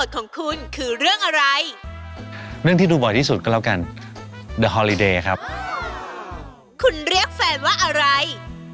คุณเรียกแฟนว่าอะไร